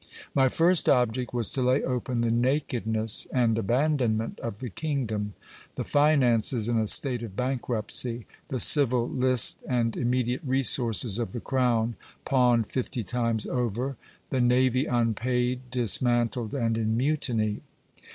My first object was to lay open the nakedness and abandonment of the kingdom: the finances in a state of bankruptcy, the civil list and immediate resources of the crown pawned fifty times over, the navy unpaid, dismantled, and in mutiny.